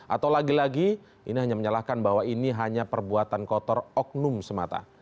atau lagi lagi ini hanya menyalahkan bahwa ini hanya perbuatan kotor oknum semata